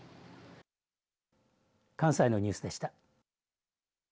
関西のニュースでした。